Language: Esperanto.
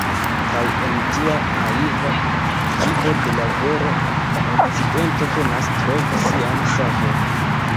Kaj en tia naiva vido de la vero, la Okcidento penas trovi sian savon.